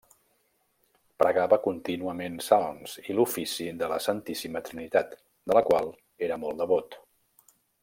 Pregava contínuament salms i l'ofici de la Santíssima Trinitat, de la qual era molt devot.